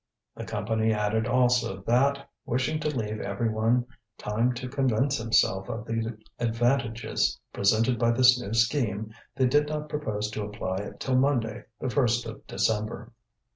The Company added also that, wishing to leave every one time to convince himself of the advantages presented by this new scheme, they did not propose to apply it till Monday, the 1st of December.